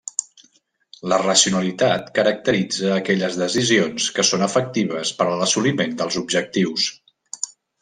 La racionalitat caracteritza aquelles decisions que són efectives per a l'assoliment dels objectius.